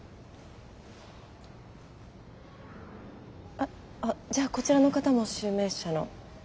あっあじゃあこちらの方も集明社の？